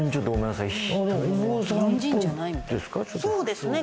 そうですね。